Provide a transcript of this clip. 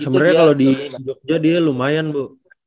sebenernya kalo di jogja dia lumayan bu